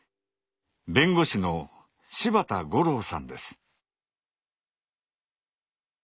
弁護士の柴田五郎さんです。